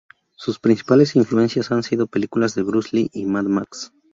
Sus principales influencias han sido películas de Bruce Lee, y Mad Max.